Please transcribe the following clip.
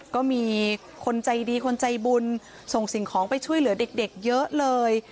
ก็มีคนใจดีคนใจบุญส่งสิ่งของไปช่วยเหลือเด็กเยอะเลย